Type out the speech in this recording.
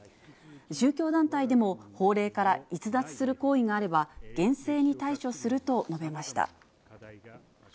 宗教団体でも、法令から逸脱する行為があれば、厳正に対処すると述べました。